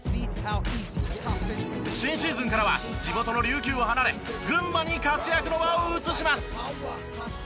新シーズンからは地元の琉球を離れ群馬に活躍の場を移します。